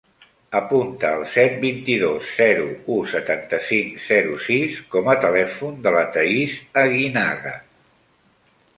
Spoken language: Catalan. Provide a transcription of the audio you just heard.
Apunta el set, vint-i-dos, zero, u, setanta-cinc, zero, sis com a telèfon de la Thaís Aguinaga.